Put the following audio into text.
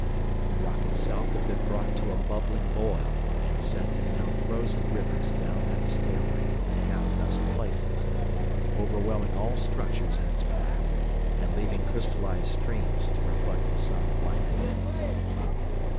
The rock itself had been brought to a bubbling boil and sent in now frozen rivers down that stairway in a half dozen places, overwhelming all structures in its path, and leaving crystallized streams to reflect the sun blindingly.